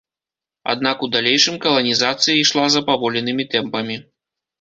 Аднак у далейшым каланізацыя ішла запаволенымі тэмпамі.